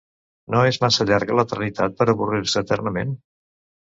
No és massa llarga l'eternitat per a avorrir-se eternament?